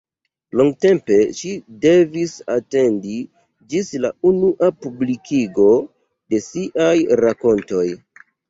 Longtempe ŝi devis atendi ĝis la unua publikigo de siaj rakontoj.